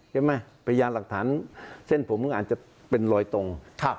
พยานหลักฐานเส้นผมอาจจะเป็นรอยตรง